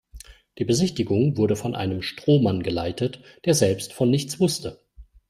Die Besichtigung wurde von einem Strohmann geleitet, der selbst von nichts wusste.